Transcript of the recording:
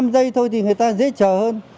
một mươi năm giây thôi thì người ta dễ chờ hơn